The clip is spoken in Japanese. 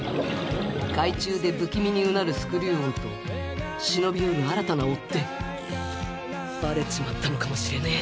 海中で不気味にうなるスクリュー音と忍び寄る新たな追っ手バレちまったのかもしれねえ。